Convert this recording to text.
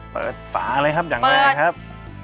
เปิดฝาเลยครับอย่างแบบนั้นครับ